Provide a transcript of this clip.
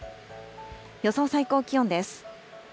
予想最高気温です。